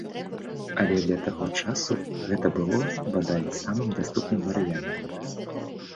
Але для таго часу гэта было, бадай, самым даступным варыянтам.